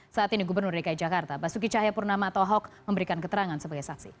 saat ini gubernur dki jakarta basuki cahaya purnama atau hok memberikan keterangan sebagai saksi